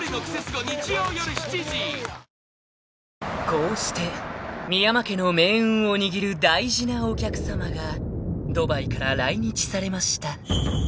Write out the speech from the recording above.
［こうして深山家の命運を握る大事なお客さまがドバイから来日されました］